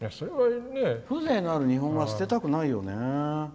風情のある日本語は捨てたくないよね。